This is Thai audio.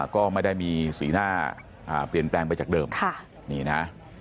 ก็ไม่ได้มีสีหน้าเปลี่ยนแปลงไปจากเดิมนี่นะ